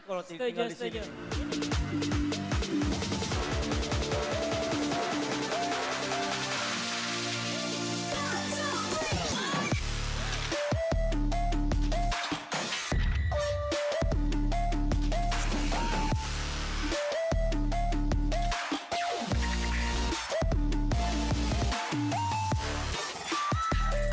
kalau tinggal di sini